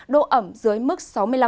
độ ẩm dưới mức sáu mươi năm